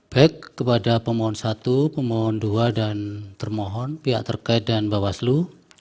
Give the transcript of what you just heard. baik kepada pemohon satu pemohon dua dan termohon pihak terkait dan bawaslu